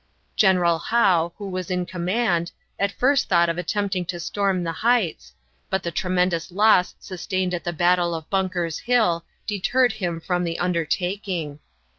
General Howe, who was in command, at first thought of attempting to storm the heights, but the tremendous loss sustained at the battle of Bunker's Hill deterred him from the undertaking.